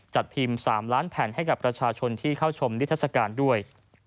จัดพิมพ์๓ล้านแผ่นให้กับประชาชนที่เข้าชมนิทัศกาลด้วย